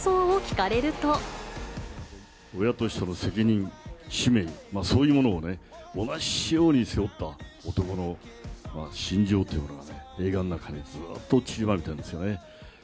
親としての責任、使命、そういうものを同じように背負った男の心情というものがね、映画の中にずっとちりばめられているんですね。